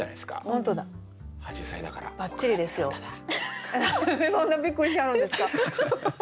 何でそんなびっくりしはるんですか？